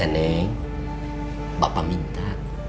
neng bapak minta